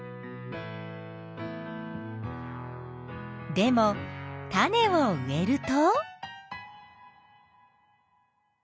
でも種を植えると。